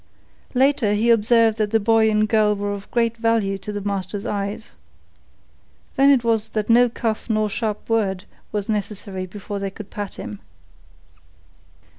Later, he observed that the boy and girl were of great value in the master's eyes. Then it was that no cuff nor sharp word was necessary before they could pat him.